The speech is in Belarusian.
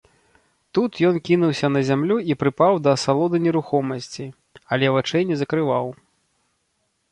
Тут ён кінуўся на зямлю і прыпаў да асалоды нерухомасці, але вачэй не закрываў.